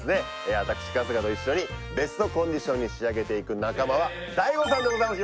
私春日と一緒にベストコンディションに仕上げていく仲間はＤＡＩＧＯさんでございます